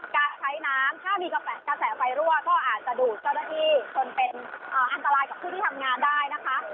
การใช้น้ำถ้ามีกระแสไฟรั่วก็อาจจะดูดเจ้าหน้าที่จนเป็นอันตรายกับผู้ที่ทำงานได้นะคะ